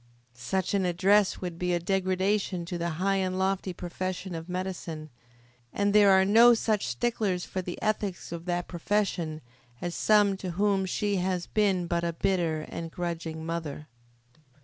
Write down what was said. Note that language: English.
Such an address would be a degradation to the high and lofty profession of Medicine, and there are no such sticklers for the ethics of that profession as some to whom she has been but a bitter and a grudging mother.